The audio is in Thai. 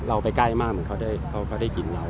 เราไปใกล้มากเหมือนเขาได้กินเรา